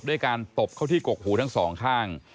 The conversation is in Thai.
ด้วยการตบเข้าที่กกหูทั้งสองข้าง